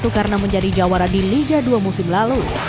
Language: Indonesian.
karena menjadi jawara di liga dua musim lalu